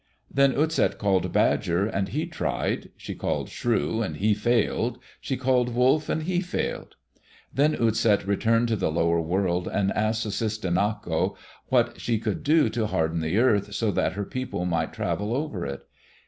Then Utset called Badger, and he tried. She called Shrew, and he failed. She called Wolf, and he failed. Then Utset returned to the lower world and asked Sussistinnako what she could do to harden the earth so that her people might travel over it.